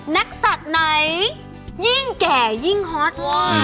นักศัตริย์ไหนยิ่งแก่ยิ่งฮอต